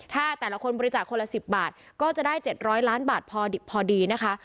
ถ้าแต่ละคนบริจาคคนละ๑๐บาทก็จะได้๗๐๐ล้านบาทพอดีนะคะ